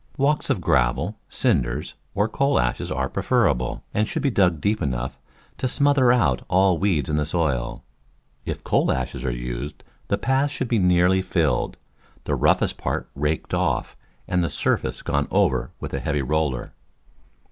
Walks of gravel, cinders or coal ashes are preferable, and should be dug deep enough to smother out all weeds in the soil. If coal ashes are used the paths should be nearly filled, the roughest part raked off and the surface gone over with a heavy roller.